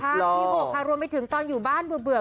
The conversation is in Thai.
ที่๖ค่ะรวมไปถึงตอนอยู่บ้านเบื่อ